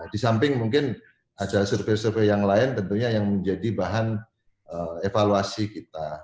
di samping mungkin ada survei survei yang lain tentunya yang menjadi bahan evaluasi kita